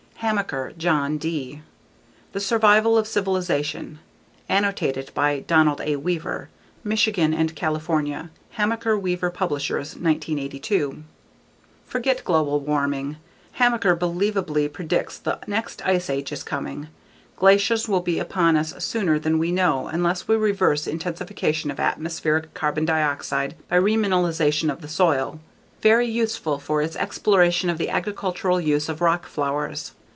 Hamaker, John. D. _The Survival of Civilization. _Annotated by Donald A. Weaver. Michigan/ California: Hamaker Weaver Publishers, 1982. Forget global warming, Hamaker believably predicts the next ice age is coming. Glaciers will be upon us sooner than we know unless we reverse intensification of atmospheric carbon dioxide by remineralization of the soil. Very useful for its exploration of the agricultural use of rock flours.